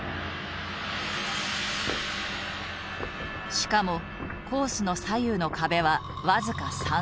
しかもコースの左右の壁は僅か３センチ。